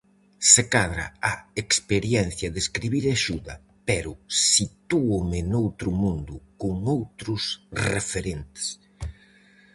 Se cadra a experiencia de escribir axuda, pero sitúome noutro mundo, con outros referentes.